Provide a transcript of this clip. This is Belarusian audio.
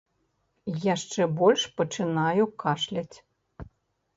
Яшчэ больш пачынаю кашляць.